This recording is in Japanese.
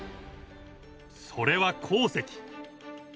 それは鉱石。